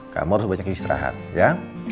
kamu harus banyak istirahat ya